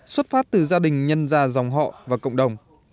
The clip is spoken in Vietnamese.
xuất phát từ gia đình nhân gia dòng họ và cộng đồng